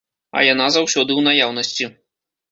А яна заўсёды ў наяўнасці.